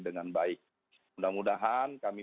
dengan baik mudah mudahan kami